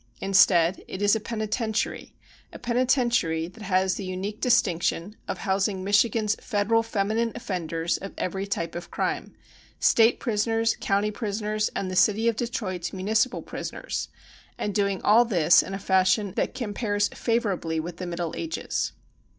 Instead, it is a penitentiary — a penitentiary that has the unique distinction of housing Michigan's Federal feminine offenders of every type of crime — State prisoners. County prisoners and the City of De troit's municipal prisoners and doing all this in a fashion that compares favorably with the Middle Ages.